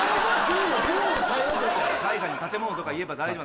海外の建物とか言えば大丈夫。